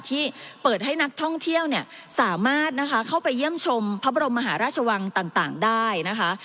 ที่เปิดให้นักท่องเที่ยวเนี่ยสามารถนะคะเข้าไปเยี่ยมชมพระบรมมหาราชวังต่างได้นะคะ